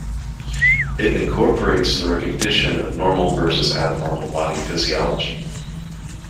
It incorporates the recognition of normal versus abnormal body physiology.